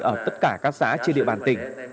ở tất cả các xã trên địa bàn tỉnh